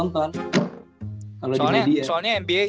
sekarang ya like show aja yang kita tonton